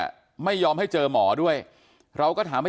อันนี้มันต้องมีเครื่องชีพในกรณีที่มันเกิดเหตุวิกฤตจริงเนี่ย